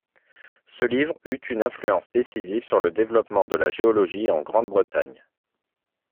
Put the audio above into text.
Ce livre eut une influence décisive sur le développement de la géologie en Grande-Bretagne.